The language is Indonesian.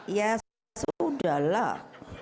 ya sudah lah